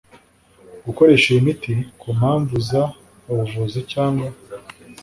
gukoresha iyi miti ku mpamvu z ubuvuzi cyangwa